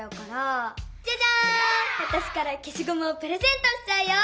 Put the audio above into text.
わたしからけしごむをプレゼントしちゃうよ。